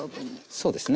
そうですね。